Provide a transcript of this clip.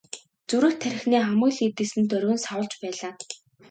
Зүрх тархины хамаг л эд эс нь доргин савлаж байлаа.